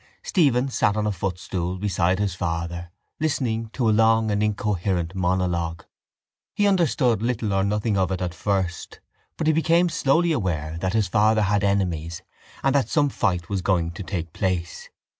Stephen sat on a footstool beside his father listening to a long and incoherent monologue. He understood little or nothing of it at first but he became slowly aware that his father had enemies and that some fight was going to take place.